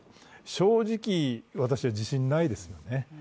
正直、私は自信がないです。